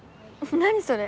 何それ？」。